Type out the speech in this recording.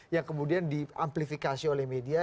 yang kemudian di amplifikasi oleh media